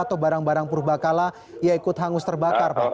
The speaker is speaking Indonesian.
atau barang barang purbakala yang ikut hangus terbakar